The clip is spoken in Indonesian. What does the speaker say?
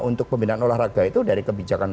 untuk pembinaan olahraga itu dari kebijakan